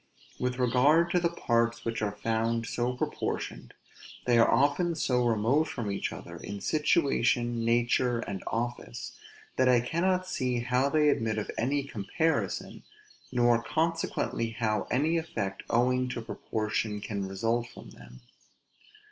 With regard to the parts which are found so proportioned, they are often so remote from each other, in situation, nature, and office, that I cannot see how they admit of any comparison, nor consequently how any effect owing to proportion can result from them.